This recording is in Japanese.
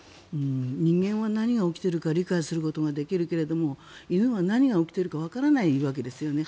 人間は何が起きているか理解することができるけれど犬は何が起きているのかわからないわけですよね。